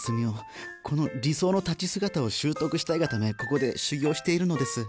この理想の立ち姿を習得したいがためここで修業しているのです。